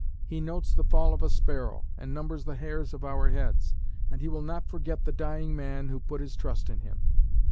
He notes the fall of a sparrow, and numbers the hairs of our heads; and He will not forget the dying man who puts his trust in Him.